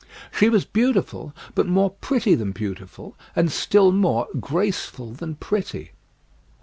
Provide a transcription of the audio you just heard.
She was beautiful, but more pretty than beautiful; and still more graceful than pretty.